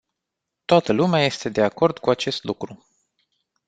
Toată lumea este de acord cu acest lucru.